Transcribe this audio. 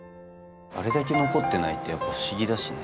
あれだけ残ってないってやっぱ不思議だしね。